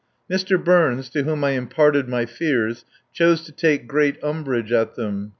Mr. Burns, to whom I imparted my fears, chose to take great umbrage at them.